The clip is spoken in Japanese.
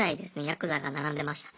ヤクザが並んでました。